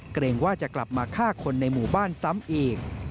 เกรงว่าจะกลับมาฆ่าคนในหมู่บ้านซ้ำอีก